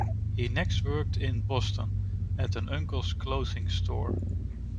He next worked in Boston at an uncle's clothing store.